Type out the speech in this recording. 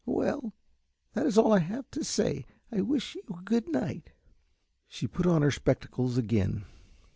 Well, that is all I have to say. I wish you good night." She put on her spectacles again.